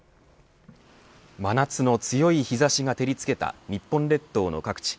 真夏の強い日差しが照りつけた日本列島の各地。